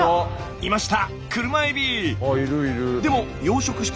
いました！